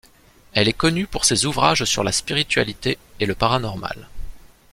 Elle est connue pour ses ouvrages sur la spiritualité et le paranormal.